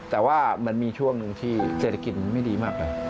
แต่ว่ามันมีช่วงหนึ่งที่เศรษฐกิจไม่ดีมากเลย